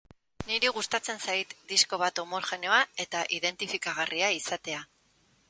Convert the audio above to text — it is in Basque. Niri gustatzen zait disko bat homogeneoa eta identifikagarria izatea.